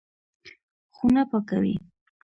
خونه پاکوي.